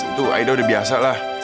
itu aida udah biasa lah